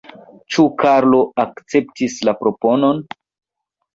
Ĉu Karlo akceptis la proponon?